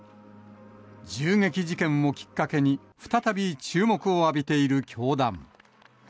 銃撃事件をきっかけに、再び注目を浴びている教団。